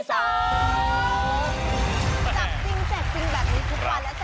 จับจริงแจกจริงแบบนี้ทุกวัน